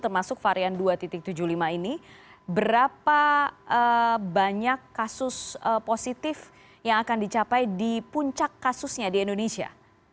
termasuk varian dua tujuh puluh lima ini berapa banyak kasus positif yang akan dicapai di puncak kasusnya di indonesia